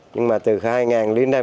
nhưng mà từ hai nghìn đến nay